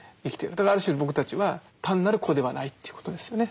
だからある種僕たちは単なる個ではないということですよね。